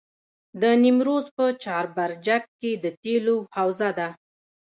د نیمروز په چاربرجک کې د تیلو حوزه ده.